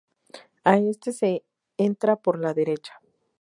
A este se entra por la derecha.